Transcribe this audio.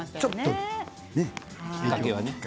きっかけはね。